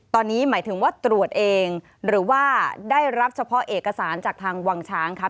ตอนนี้หมายถึงว่าตรวจเองหรือว่าได้รับเฉพาะเอกสารจากทางวังช้างครับ